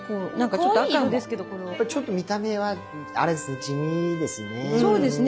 ちょっと見た目はあれっすね地味ですね。